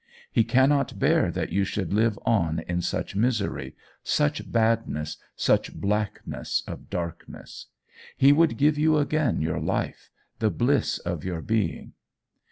He cannot bear that you should live on in such misery, such badness, such blackness of darkness. He would give you again your life, the bliss of your being.